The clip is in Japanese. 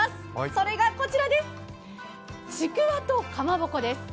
それがこちらです、ちくわとかまぼこです。